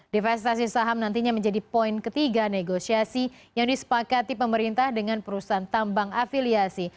divestasi saham nantinya menjadi poin ketiga negosiasi yang disepakati pemerintah dengan perusahaan tambang afiliasi